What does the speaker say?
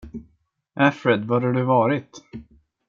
Afred, var har du varit?